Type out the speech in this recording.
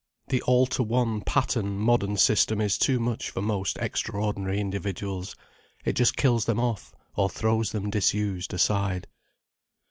The all to one pattern modern system is too much for most extraordinary individuals. It just kills them off or throws them disused aside.